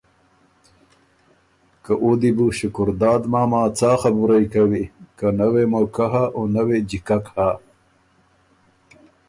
که او دی بو شکرداد ماما څا خبُرئ کوی که نۀ وې موقع هۀ او نۀ وې جیکک هۀ۔